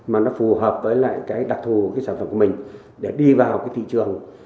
mà nó phù hợp với lại cái đặc thù của cái sản phẩm của mình để đi vào cái thị trường